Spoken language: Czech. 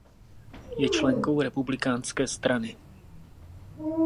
Je členkou Republikánské strany.